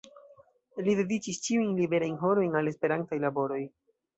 Li dediĉis ĉiujn liberajn horojn al Esperantaj laboroj.